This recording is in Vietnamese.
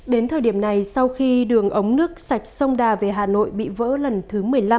đến thời điểm này sau khi đường ống nước sạch sông đà về hà nội bị vỡ lần thứ một mươi năm